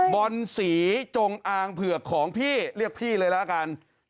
บอลสีจงอางเผือกของพี่เรียกพี่เลยละกัน